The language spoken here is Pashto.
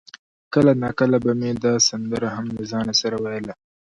کله ناکله به مې دا سندره هم له ځانه سره ویله.